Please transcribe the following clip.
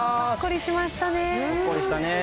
ほっこりしましたね。